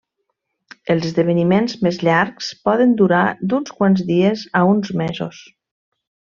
Els esdeveniments més llargs poden durar d'uns quants dies a uns mesos.